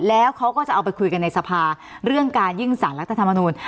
แล้วเขาก็จะเอาไปคุยกันในสภาเรื่องการยื่นสารรัฐธรรมนูล